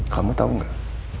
kamu tahu nggak